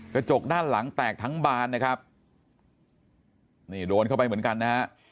กระจกด้านหลังแตกทั้งบานนะครับนี่โดนเข้าไปเหมือนกันนะฮะ